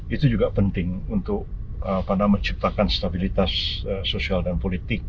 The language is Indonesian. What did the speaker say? itu juga penting untuk menciptakan stabilitas sosial dan politik